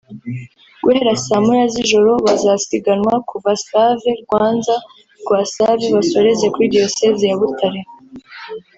Guhera saa moya z’ijoro bazasiganwa kuva Save - Rwanza - Rwasave basoreze kuri Diyoseze ya Butare